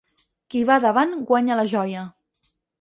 Qui va davant guanya la joia.